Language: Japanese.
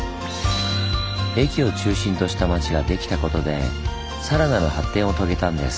駅を中心とした町ができたことでさらなる発展を遂げたんです。